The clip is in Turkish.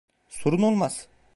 Sorun olmaz.